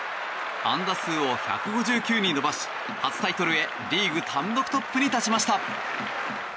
安打数１５９に伸ばし初タイトルへリーグ単独トップに立ちました。